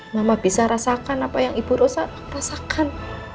mama bisa rasakan apa yang ibu rasa rasakan